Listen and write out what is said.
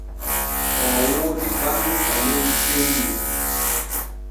Oo woodi ɓannu ɓalew cewnu.